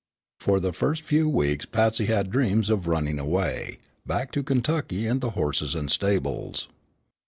For the first few weeks Patsy had dreams of running away back to Kentucky and the horses and stables.